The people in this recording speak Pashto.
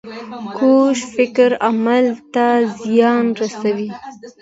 کوږ فکر عمل ته زیان رسوي